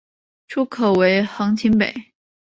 出口为横琴北。